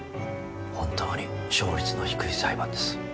本当に勝率の低い裁判です。